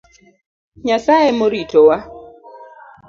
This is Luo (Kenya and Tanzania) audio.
Nyasaye emoritowa.